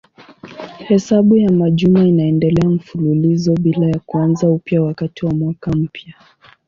Hesabu ya majuma inaendelea mfululizo bila ya kuanza upya wakati wa mwaka mpya.